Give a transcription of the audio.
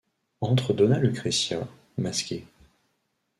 Entre dona Lucrecia, masquée.